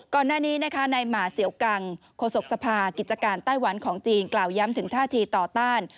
ก่อนหน้านี้นะคะนายหมาเสียวกังโฆษกสภากิจการไต้หวันของจีนกล่าวย้ำถึงท่าทีต่อต้าน